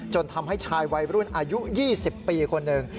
ทำให้ชายวัยรุ่นอายุ๒๐ปีคนหนึ่ง